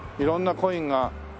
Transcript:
色んなコインが。